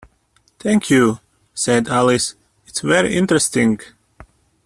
‘Thank you,’ said Alice, ‘it’s very interesting’.